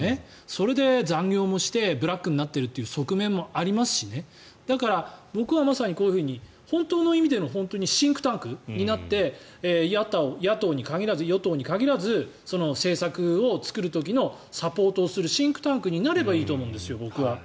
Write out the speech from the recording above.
それで残業もしてブラックになっているという側面もありますしねだから、僕はまさにこういうふうに本当の意味でのシンクタンクになって野党に限らず与党に限らず政策を作る時のサポートをするシンクタンクになればいいと思うんですよ。